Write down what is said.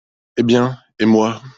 Eh bien, et moi ?